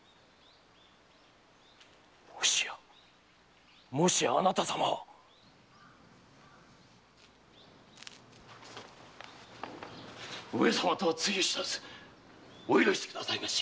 もしやもしやあなた様は⁉上様とはつゆ知らずお許しくださいまし！